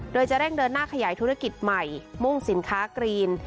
โดยจะเร่งเดินหน้าขยายธุรกิจใหม่มุ่งสินค้ากรีน